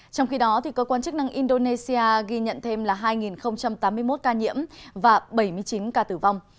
trong khi đó cơ quan chức năng indonesia ghi nhận thêm là hai tám mươi một ca nhiễm và bảy mươi chín ca tử vong